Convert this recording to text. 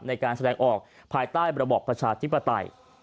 ในการแสดงออกภายใต้ระบอบประชาธิปไตย